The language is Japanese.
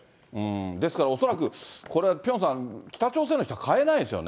ですから恐らく、これはピョンさん、北朝鮮の人が買えないですよね。